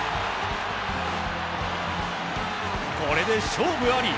これで勝負あり！